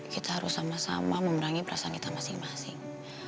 kita harus sama sama memerangi perasaan kita masing masing